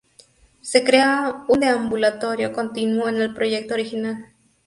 Se crea un deambulatorio continuo en el proyecto original.